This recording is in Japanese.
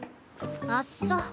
あっそ。